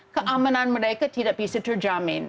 keamanan mereka tidak bisa terjamin